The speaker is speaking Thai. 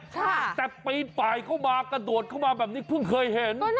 แต่ปีนป่ายเข้ามากระโดดเข้ามาแบบนี้เพิ่งเคยเห็น